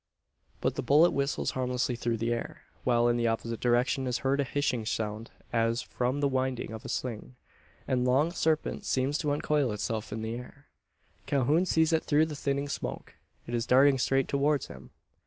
But the bullet whistles harmlessly through the air; while in the opposite direction is heard a hishing sound as from the winding of a sling and a long serpent seems to uncoil itself in the air! Calhoun sees it through the thinning smoke. It is darting straight towards him!